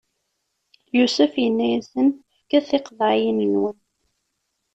Yusef inna-yasen: Fket tiqeḍɛiyinnwen!